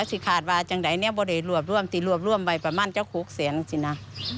ถ้าใช้คัดบ้านอย่างนี้พูดเล่นเลยรอบไปประมาณจะ๖แสนทีนะ